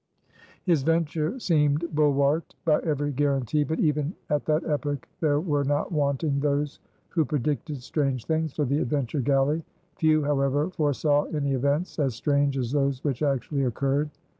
His venture seemed bulwarked by every guarantee; but even at that epoch there were not wanting those who predicted strange things for the Adventure Galley. Few, however, foresaw any events as strange as those which actually occurred.